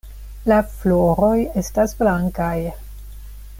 La floroj estas blankaj.